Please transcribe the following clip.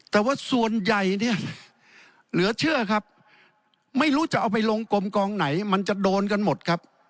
แต่ว่าส่วนใหญ่เนี่ยเหลือเชื่อครับไม่รู้จะเอาไปลงกลมกองไหนมันจะโดนกันหมดครับ